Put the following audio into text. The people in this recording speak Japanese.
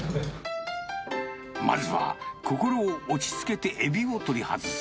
まずは心を落ち着けてエビを取り外す。